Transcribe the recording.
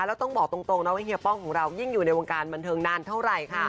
แล้วต้องบอกตรงนะว่าเฮียป้องของเรายิ่งอยู่ในวงการบันเทิงนานเท่าไหร่ค่ะ